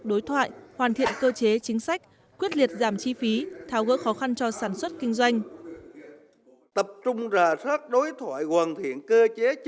đối thoại hoàn thiện cơ chế chính sách quyết liệt giảm chi phí tháo gỡ khó khăn cho sản xuất kinh doanh